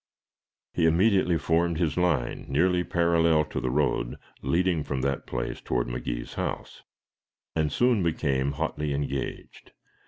He immediately formed his line nearly parallel to the road leading from that place toward McGhee's house, and soon became hotly engaged.